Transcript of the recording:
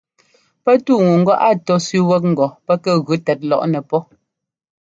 Pɛ́ túu ŋu ŋgɔ a tɔ́ ɛ́sẅíi wɛ́k ŋgɔ pɛ́ kɛ gʉ tɛt lɔꞌnɛ pɔ́.